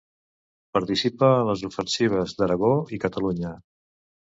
Participa en les Ofensives d'Aragó i Catalunya.